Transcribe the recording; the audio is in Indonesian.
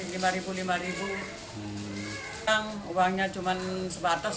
sekarang uangnya cuma sebatas